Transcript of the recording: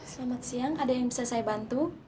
selamat siang ada yang bisa saya bantu